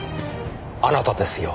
あなたですよ。